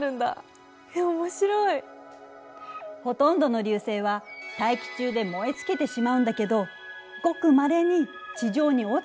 ほとんどの流星は大気中で燃え尽きてしまうんだけどごくまれに地上に落ちてくるものがあるの。